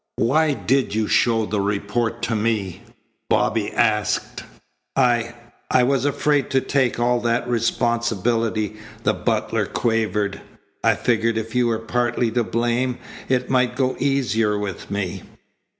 "Why did you show the report to me?" Bobby asked. "I I was afraid to take all that responsibility," the butler quavered. "I figured if you were partly to blame it might go easier with me."